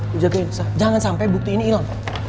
lo jagain jangan sampe bukti ini ilang